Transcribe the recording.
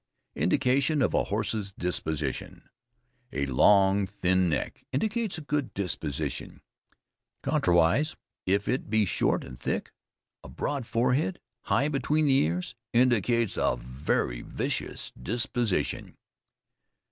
INDICATION OF A HORSE'S DISPOSITION. A long, thin neck indicates a good disposition, contrariwise, if it be short and thick. A broad forehead, high between the ears, indicates a very vicious disposition.